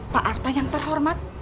pak arta yang terhormat